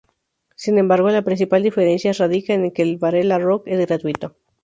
Sin embargo, la principal diferencia radica en que el Varela Rock es gratuito.